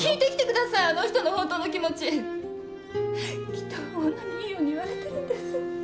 きっと女にいいように言われてるんです。